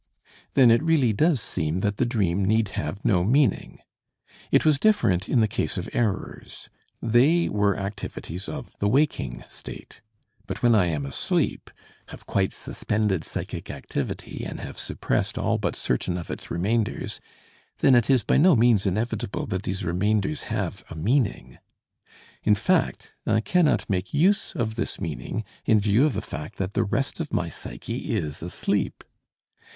Then it really does seem that the dream need have no meaning. It was different in the case of errors; they were activities of the waking state. But when I am asleep, have quite suspended psychic activity and have suppressed all but certain of its remainders, then it is by no means inevitable that these remainders have a meaning. In fact, I cannot make use of this meaning, in view of the fact that the rest of my psyche is asleep.